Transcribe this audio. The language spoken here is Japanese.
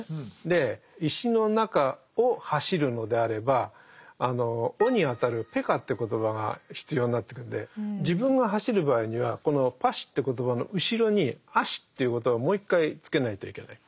で石の中を走るのであれば「を」にあたる「ペカ」という言葉が必要になってくるので自分が走る場合にはこの「パシ」という言葉の後ろに「アシ」という言葉をもう１回つけないといけない。